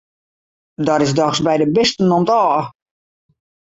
Dat is dochs by de bisten om't ôf!